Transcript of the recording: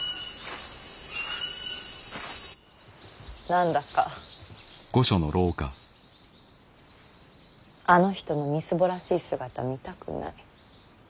何だかあの人のみすぼらしい姿見たくない。